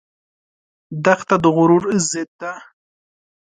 دښته د غرور ضد ده.